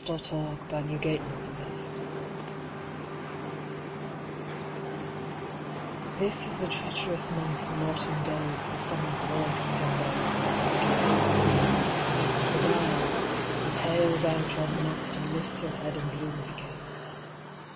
Helen Hunt Jackson November THIS is the treacherous month when autumn days With summer's voice come bearing summer's gifts. Beguiled, the pale down trodden aster lifts Her head and blooms again.